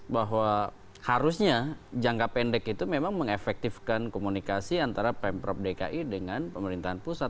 bahwa harusnya jangka pendek itu memang mengefektifkan komunikasi antara pemprov dki dengan pemerintahan pusat